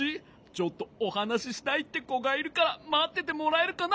ちょっとおはなししたいってこがいるからまっててもらえるかな？